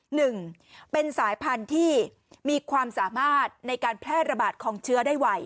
หนึ่งเป็นสายพันธุ์ที่มีความสามารถในการแพร่ระบาดของเชื้อได้ไว